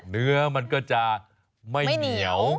เนื้อมันก็จะไม่เหนียว